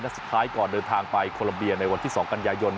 และสุดท้ายก่อนเดินทางไปโคลัมเบียในวันที่๒กันยายน